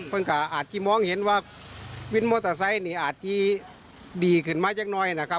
มันก็อาจจะมองเห็นว่าวินมอเตอร์ไซค์นี่อาจจะดีขึ้นมาอย่างน้อยนะครับ